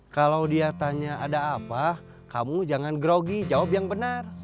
kalau dia tanya ada apa kamu jangan grogi jawab yang benar